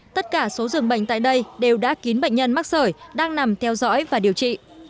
tất cả số dường bệnh tại đây đều đã kín bệnh nhân mắc sởi đang nằm theo dõi và điều trị